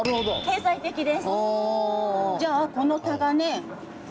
経済的です。